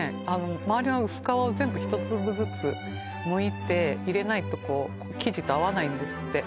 まわりの薄皮を全部１粒ずつもぎって入れないとこう生地と合わないんですって